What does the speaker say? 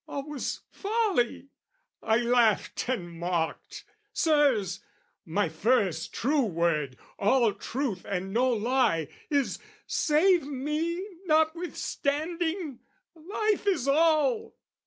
All was folly I laughed and mocked! Sirs, my first true word all truth and no lie, Is save me notwithstanding! Life is all!